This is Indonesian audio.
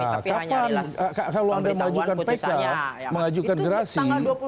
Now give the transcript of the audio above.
nah kapan kalau anda mengajukan pk mengajukan gerasi